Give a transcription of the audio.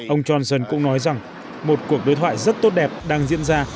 ông johnson cũng nói rằng một cuộc đối thoại rất tốt đẹp đang diễn ra